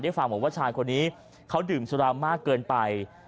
ฟังบอกว่าชายคนนี้เขาดื่มสุรามากเกินไป